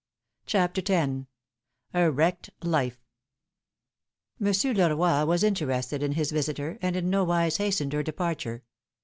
CHAPTER X. A WRECKED LIFE. MONSIEUR LEROY was interested in his visitor, and in nowise hastened her departure.